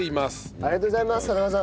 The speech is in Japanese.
ありがとうございます田中さん。